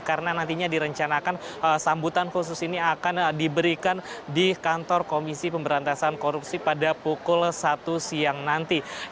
karena nantinya direncanakan sambutan khusus ini akan diberikan di kantor komisi pemberantasan korupsi pada pukul satu siang nanti